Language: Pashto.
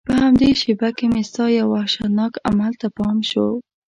په همدې شېبه کې مې ستا یو وحشتناک عمل ته پام شو.